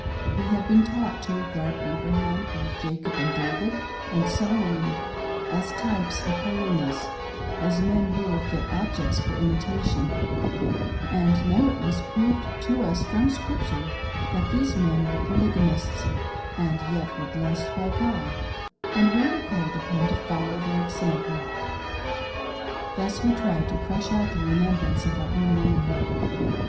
We had been taught to regard Abraham and Jacob, and David and Solomon as types of holiness, as men who were fit objects for imitation ; and now it was proved to us, from Scripture, that these men were Polygamists, and yet were blessed by God ; and we were called upon to follow their example. Thus we tried to crush out the remembrance of our own womanhood.